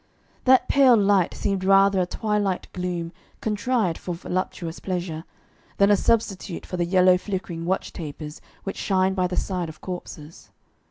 That pale light seemed rather a twilight gloom contrived for voluptuous pleasure, than a substitute for the yellow flickering watch tapers which shine by the side of corpses.